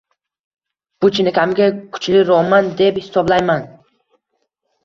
Bu chinakamiga kuchli roman, deb hisoblayman.